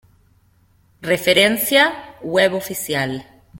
Referencia: Web oficial.